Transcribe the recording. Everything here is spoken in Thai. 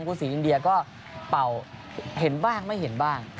คุณศรีอินเดียก็เป่าเห็นบ้างไม่เห็นบ้าง